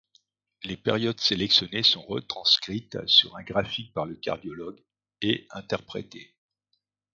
Les périodes sélectionnées sont retranscrites sur un graphique par le cardiologue, et interprétées.